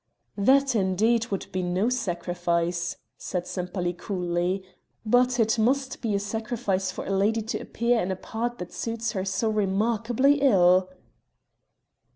"That, indeed, would be no sacrifice," said Sempaly coolly. "But it must be a sacrifice for a lady to appear in a part that suits her so remarkably ill."